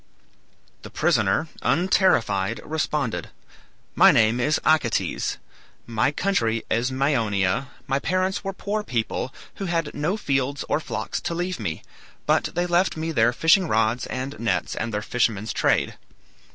The prisoner, unterrified, responded, "My name is Acetes; my country is Maeonia; my parents were poor people, who had no fields or flocks to leave me, but they left me their fishing rods and nets and their fisherman's trade.